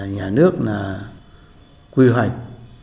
nhà nước quy hoạch